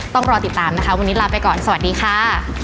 ต้องรอติดตามนะคะวันนี้ลาไปก่อนสวัสดีค่ะ